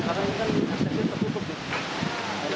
karena kan aksesnya tertutup